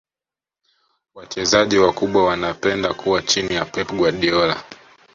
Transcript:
wachezaji wakubwa wanapenda kuwa chini ya pep guardiola